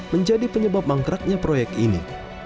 menjadi penyebab mangkraknya proyek ini